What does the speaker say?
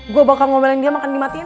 gue bakal ngobrolin dia makan dimatiin